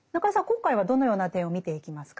今回はどのような点を見ていきますか？